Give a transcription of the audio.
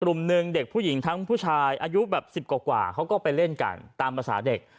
หนึ่งเด็กผู้หญิงทั้งผู้ชายอายุแบบ๑๐กว่าเขาก็ไปเล่นกันตามภาษาเด็ก